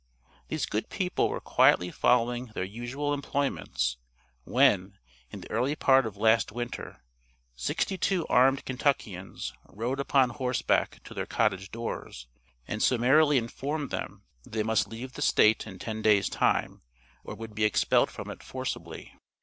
These good people were quietly following their usual employments, when, in the early part of last winter, sixty two armed Kentuckians rode upon horseback to their cottage doors, and summarily informed them that they must leave the State in ten days' time, or would be expelled from it forcibly.